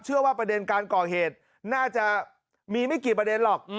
ประเด็นการก่อเหตุน่าจะมีไม่กี่ประเด็นหรอก